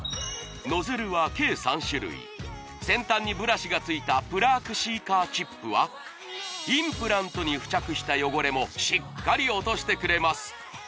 ノズルは計３種類先端にブラシがついたプラークシーカーチップはインプラントに付着した汚れもしっかり落としてくれます